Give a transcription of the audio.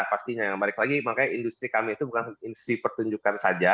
pastinya balik lagi makanya industri kami itu bukan industri pertunjukan saja